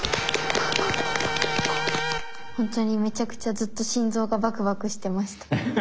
ほんとにめちゃくちゃずっと心臓がバクバクしてました。